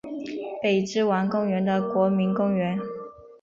北之丸公园的国民公园。